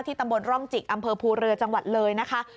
ตำบลร่องจิกอำเภอภูเรือจังหวัดเลยนะคะ